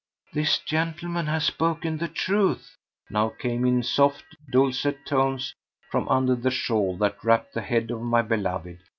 "This gentleman has spoken the truth," now came in soft, dulcet tones from under the shawl that wrapped the head of my beloved.